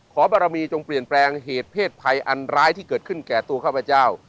บารมีจงเปลี่ยนแปลงเหตุเพศภัยอันร้ายที่เกิดขึ้นแก่ตัวข้าพเจ้า